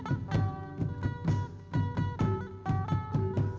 tari tidayu dianggap sebagai simbol kerukunan